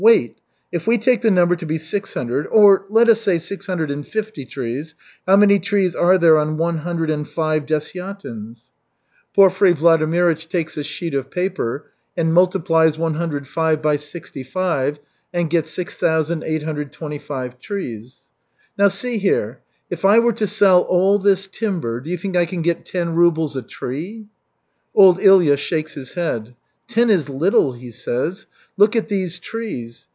Wait! If we take the number to be six hundred or, let us say, six hundred and fifty trees, how many trees are there on one hundred and five desyatins?" Porfiry Vladimirych takes a sheet of paper and multiplies 105 by 65 and gets 6,825 trees. "Now, see here, if I were to sell all this timber, do you think I can get ten rubles a tree?" Old Ilya shakes his head. "Ten is little," he says. "Look at these trees.